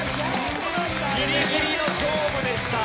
ギリギリの勝負でした。